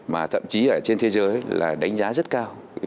mà thậm chí ở trên thế giới là đánh giá rất cao